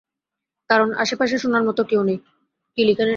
কারণ আশেপাশে শোনার মতো কেউ নেই।